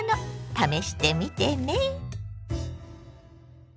試してみてね。